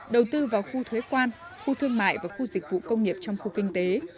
đầu tư vào khu thuế quan khu thương mại và khu dịch vụ công nghiệp trong khu kinh tế